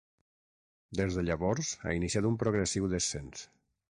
Des de llavors ha iniciat un progressiu descens.